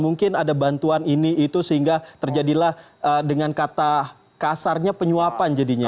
mungkin ada bantuan ini itu sehingga terjadilah dengan kata kasarnya penyuapan jadinya